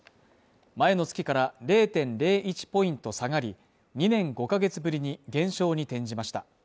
前の月から０．０１ポイント下がり、２年５か月ぶりに減少に転じました。